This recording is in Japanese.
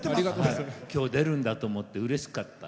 今日、出るんだと思ってうれしかった。